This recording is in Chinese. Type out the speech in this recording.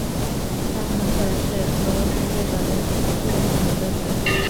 他很可能是俄罗斯最早的电影理论家。